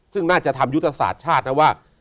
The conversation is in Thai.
ซึ่งน่าจะทำยุทธศาสตร์ชาตินะว่า